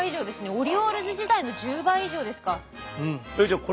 オリオールズ時代の１０倍以上ですか。